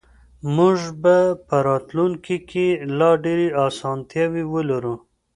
موږ به په راتلونکي کې لا ډېرې اسانتیاوې ولرو.